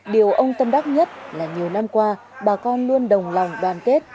điều ông tâm đắc nhất là nhiều năm qua bà con luôn đồng lòng đoàn kết